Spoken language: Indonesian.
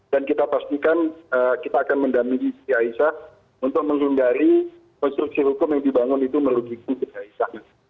dan kita pastikan kita akan mendamigi siti aisyah untuk menghindari konstruksi hukum yang dibangun itu merugik siti aisyah